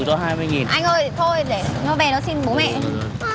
anh ơi thôi để nó về nó xin bố mẹ